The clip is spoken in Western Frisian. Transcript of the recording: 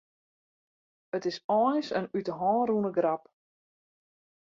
It is eins in út 'e hân rûne grap.